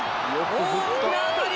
大きな当たり！